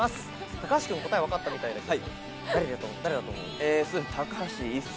高橋君、答えわかったみたいですが。